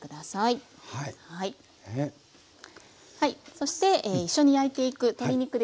そして一緒に焼いていく鶏肉ですね